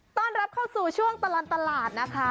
ต้อนรับเข้าสู่ช่วงตลอดตลาดนะคะ